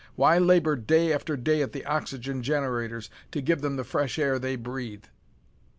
Why labor day after day at the oxygen generators to give them the fresh air they breathe?"